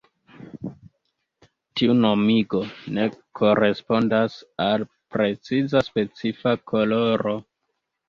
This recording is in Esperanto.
Tiu nomigo ne korespondas al preciza specifa koloro.